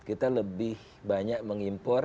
kita lebih banyak mengimpor